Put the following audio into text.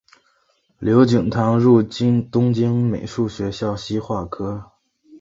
刘锦堂入东京美术学校西画科